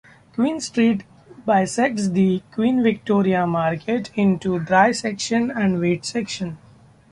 Queen Street bisects the Queen Victoria Market into the dry section and wet section.